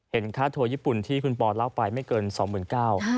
ค่าทัวร์ญี่ปุ่นที่คุณปอเล่าไปไม่เกิน๒๙๐๐บาท